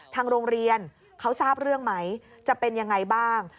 ทางโรงเรียนเขาทราบเรื่องไหมจะเป็นยังไงบ้าง